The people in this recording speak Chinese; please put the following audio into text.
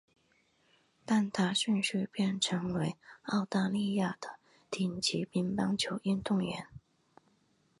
但她迅速变成为了澳大利亚的顶级乒乓球运动员。